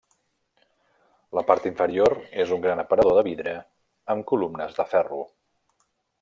La part inferior és un gran aparador de vidre amb columnes de ferro.